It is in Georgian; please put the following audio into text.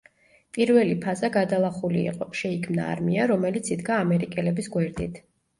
პირველი ფაზა გადალახული იყო, შეიქმნა არმია რომელიც იდგა ამერიკელების გვერდით.